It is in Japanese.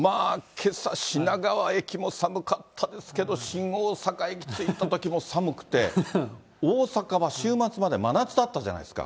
けさ、品川駅も寒かったですけど、新大阪駅着いたときも寒くて、大阪は週末まで真夏だったじゃないですか。